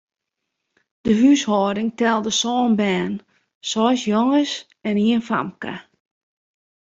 De húshâlding telde sân bern, seis jonges en ien famke.